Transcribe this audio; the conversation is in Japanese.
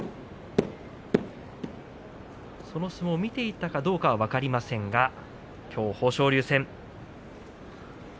その相撲を見ていたかどうかは分かりませんがきょう、豊昇龍戦。